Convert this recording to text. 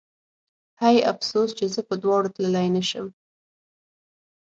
هی افسوس چې زه په دواړو تللی نه شم